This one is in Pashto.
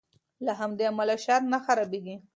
له همدې امله شات نه خرابیږي.